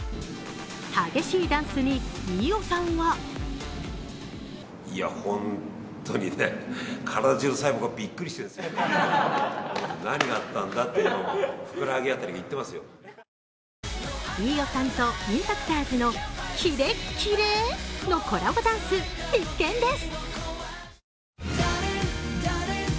激しいダンスに飯尾さんは飯尾さんとＩＭＰＡＣＴｏｒｓのキレッキレのコラボダンス、必見です！